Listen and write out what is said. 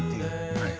はい。